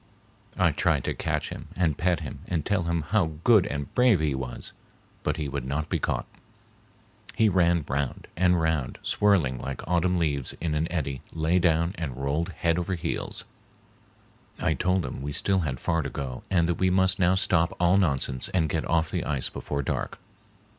I tried to catch him and pet him and tell him how good and brave he was, but he would not be caught. He ran round and round, swirling like autumn leaves in an eddy, lay down and rolled head over heels. I told him we still had far to go and that we must now stop all nonsense and get off the ice before dark.